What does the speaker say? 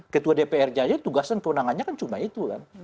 ketua dprnya aja tugasan kewenangannya kan cuma itu kan